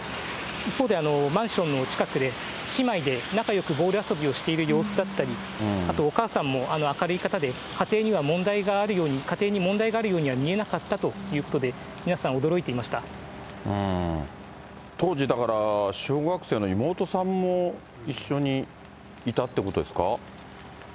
一方で、マンションの近くで、姉妹で仲よくボール遊びをしている様子だったり、あとお母さんも明るい方で、家庭に問題があるようには見えなかったということで、皆さん、驚当時、だから小学生の妹さんも一緒にいたということですか？